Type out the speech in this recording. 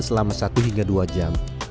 selama satu hingga dua jam